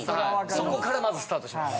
そこからまずスタートします。